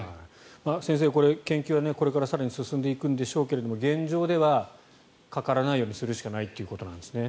先生、研究は更にこれから進んでいくんでしょうけど現状ではかからないようにするしかないということなんですね。